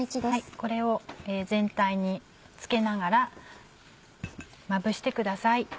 これを全体に付けながらまぶしてください。